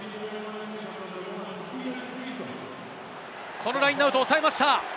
このラインアウト、抑えました。